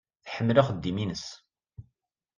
Tḥemmel axeddim-nnes.